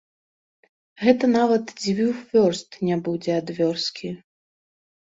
Гэта нават дзвюх вёрст не будзе ад вёскі.